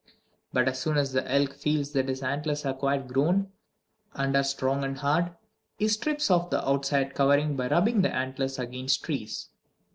But as soon as the elk feels that his antlers are quite grown, and are strong and hard, he strips off the outside covering by rubbing the antlers against trees.